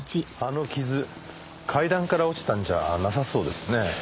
あの傷階段から落ちたんじゃなさそうですね。